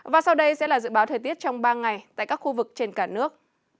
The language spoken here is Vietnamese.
và sau đây sẽ là dự báo thời tiết trong ba ngày tại các khu vực trên cả nước